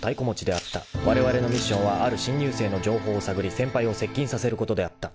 ［われわれのミッションはある新入生の情報を探り先輩を接近させることであった］